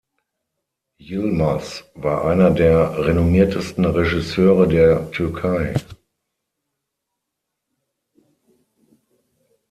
Yılmaz war einer der renommiertesten Regisseure der Türkei.